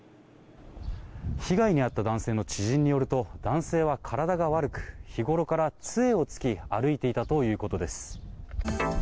被害に遭った男性の知人によると男性は体が悪く日ごろから杖をつき歩いていたということです。